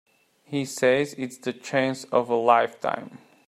He says it's the chance of a lifetime.